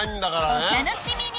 お楽しみに！